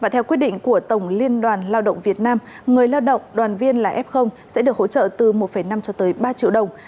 theo quyết định của tổng liên đoàn lao động việt nam người lao động đoàn viên là f sẽ được hỗ trợ từ một năm cho tới ba triệu đồng